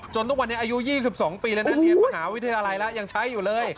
จนถึงวันนี้อายุยี่สิบสองปีแล้วน่ะเดี๋ยวมาหาวิทยาลัยล่ะยังใช้อยู่เลย